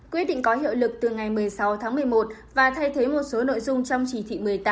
quyết định có hiệu lực từ ngày một mươi sáu tháng một mươi một và thay thế một số nội dung trong chỉ thị một mươi tám